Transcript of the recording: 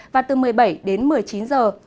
và từ một mươi bảy đến một mươi chín giờ